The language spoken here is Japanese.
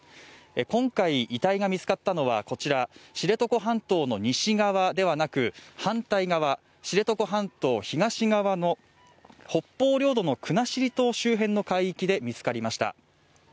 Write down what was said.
今回、遺体が見つかったのはこちら知床半島の西側ではなく、反対側、知床半島東側の北方領土の国後島周辺の海域で見つかりました。